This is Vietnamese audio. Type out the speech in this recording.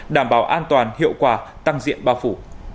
đảm bảo an toàn hiệu quả tăng diện bao phủ